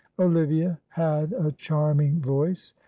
Olivia had a charming voice.